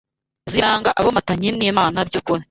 ziranga abomatanye n’Imana by’ukuri